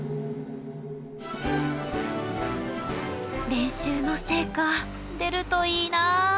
練習の成果出るといいな。